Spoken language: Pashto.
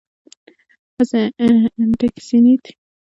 انټکنیسټ کرکټراصلي کرکټرنه دئ، خو د فرعي کښي اول دئ.